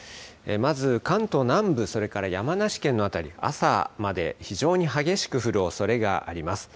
まず関東南部、それから山梨県の辺り、朝まで非常に激しく降るおそれがあります。